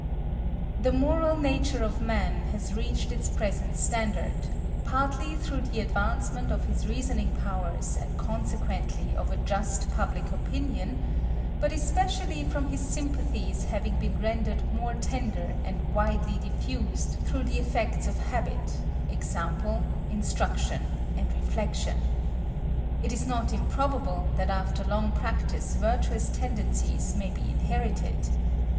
The moral nature of man has reached its present standard, partly through the advancement of his reasoning powers and consequently of a just public opinion, but especially from his sympathies having been rendered more tender and widely diffused through the effects of habit, example, instruction, and reflection. It is not improbable that after long practice virtuous tendencies may be inherited.